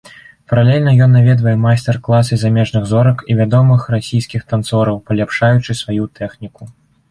Паралельна ён наведвае майстар-класы замежных зорак і вядомых расійскіх танцораў, паляпшаючы сваю тэхніку.